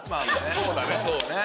そうだね。